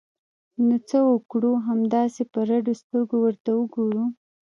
نو څه وکړو؟ همداسې په رډو سترګو ورته وګورو!